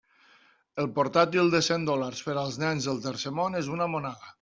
El portàtil de cent dòlars per als nens del tercer món és una monada.